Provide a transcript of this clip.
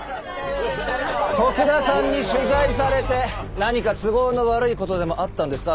徳田さんに取材されて何か都合の悪い事でもあったんですか？